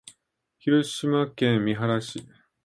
広島県三原市